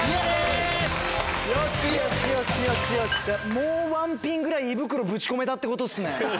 もうワン品ぐらい胃袋ぶち込めたってことっすね。